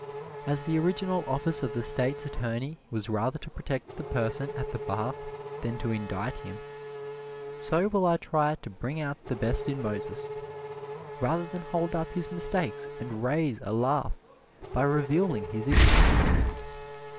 As the original office of the State's Attorney was rather to protect the person at the bar than to indict him, so will I try to bring out the best in Moses, rather than hold up his mistakes and raise a laugh by revealing his ignorance.